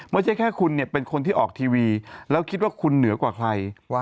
ไม่ใช่แค่คุณเนี่ยเป็นคนที่ออกทีวีแล้วคิดว่าคุณเหนือกว่าใคร